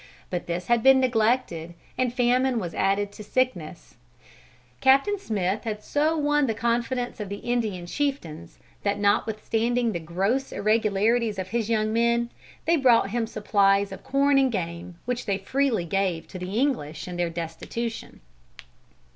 But this had been neglected, and famine was added to sickness, Capt. Smith had so won the confidence of the Indian chieftains, that notwithstanding the gross irregularities of his young men, they brought him supplies of corn and game, which they freely gave to the English in their destitution.